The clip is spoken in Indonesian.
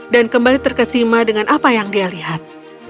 dan kembali terkesima dengan apa yang dia lihat